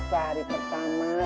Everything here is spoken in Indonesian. ya allah alhamdulillah ya allah